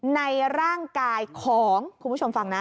ในร่างกายของคุณผู้ชมฟังนะ